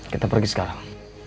kita pergi sekarang